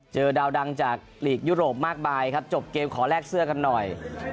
เจอดาวดังจากลีกยุโรปมากมายครับจบเกมขอแลกเสื้อกันหน่อย